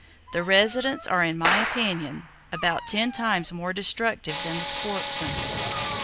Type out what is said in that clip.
The "residents" are, in my opinion, about ten times more destructive than the sportsmen.